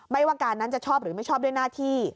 ไม่ว่าการนั้นจะชอบหรือไม่ชอบด้วยหน้าที่